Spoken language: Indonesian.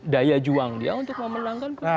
daya juang dia untuk memenangkan pemilu